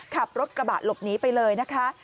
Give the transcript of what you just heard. ขับรถกระบะหลบหนีไปเลยนะคะ